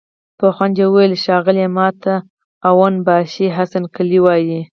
په خوند يې وويل: ښاغليه! ماته اون باشي حسن قلي وايه!